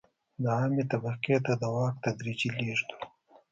د عامې طبقې ته د واک تدریجي لېږد و.